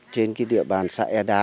trên cái địa bàn xã e đá